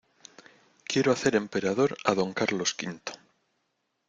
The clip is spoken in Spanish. quiero hacer emperador a Don Carlos V.